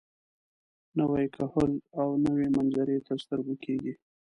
نوی کهول او نوې منظرې تر سترګو کېږي.